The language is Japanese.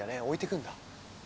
置いて行くんだ。